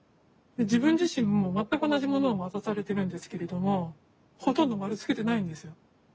自分自身も全く同じものを渡されてるんですけれどもほとんど丸つけてないんですよ。